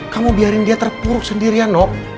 kamu biarin dia terpuruk sendirian nok